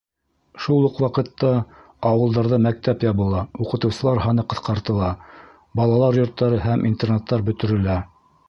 Шул уҡ ваҡытта ауылдарҙа мәктәп ябыла, уҡытыусылар һаны ҡыҫҡартыла, балалар йорттары һәм интернаттар бөтөрөлә.